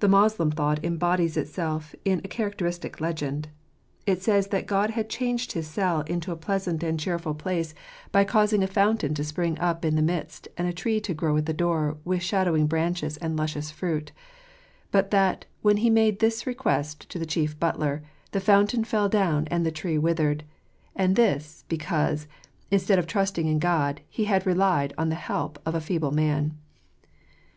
The Moslem thought embodies itself in a characteristic legend. It says ) that God had changed his cell into a pleasant and cheerful j " ItentEmta tn t !" 65 place by causing a fountain to spring up in the midst, and a tree to grow at the door with shadowing branches and luscious fruit : but that, when he made this request to the chief butler, the fountain fell down and the tree withered ; and this because, instead of trusting in God, he had relied on the help of a feeble man.